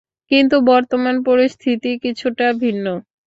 কিন্তু বর্তমান পরিস্থিতি কিছুটা ভিন্ন।